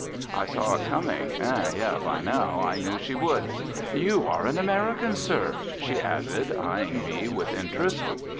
I saw it coming; ah! yes, by now I knew she would. "You are an American, sir," she added, eyeing me with interest.